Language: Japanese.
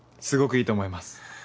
すごくいいと思います。